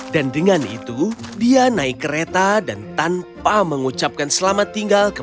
dan dengan itu dia naik kereta dan tanpa mengucapkan selamat tinggal